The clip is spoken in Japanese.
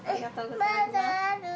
まだある？